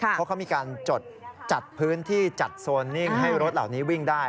เพราะเขามีการจดจัดพื้นที่จัดโซนนิ่งให้รถเหล่านี้วิ่งได้